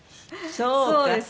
そうです。